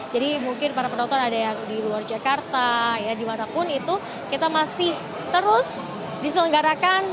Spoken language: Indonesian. jadi mungkin para penonton ada yang di luar jakarta ya dimanapun itu kita masih terus diselenggarakan